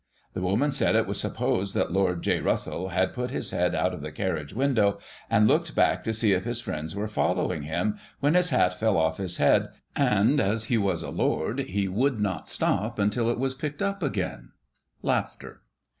The woman said it was supposed that Lord J. Russell had put his head out of the carriage window, and looked back to see if his friends were following him, when his hat fell off his head, and, as he was a Lord, he would not stop until it was picked up again.